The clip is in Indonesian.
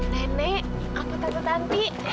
nenek apa tata tati